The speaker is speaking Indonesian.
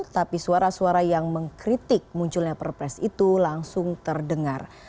tapi suara suara yang mengkritik munculnya perpres itu langsung terdengar